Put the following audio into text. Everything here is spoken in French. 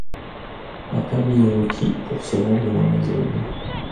Un permis est requis pour se rendre dans la zone.